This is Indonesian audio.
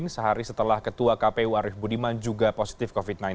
sehari setelah ketua kpu arief budiman juga positif covid sembilan belas